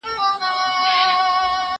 زه بايد درسونه اورم